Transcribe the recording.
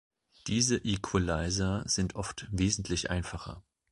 Diese Equalizer sind oft wesentlich einfacher.